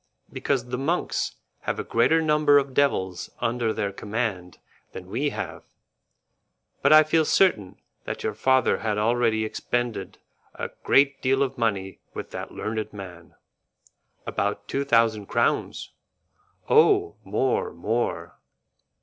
"Because the monks have a greater number of devils under their command than we have. But I feel certain that your father had already expended a great deal of money with that learned man." "About two thousand crowns." "Oh! more, more."